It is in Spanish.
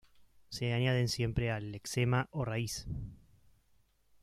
Se añaden siempre al lexema o raíz.